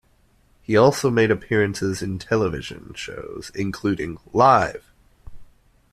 He also made appearances in television shows, including Live!